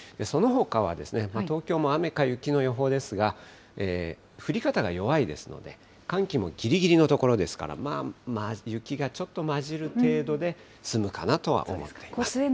そのほかは東京も雨か雪の予報ですが、降り方が弱いですので、寒気もぎりぎりの所ですから、まあまあ雪がちょっと交じる程度で済むかなとは思っています。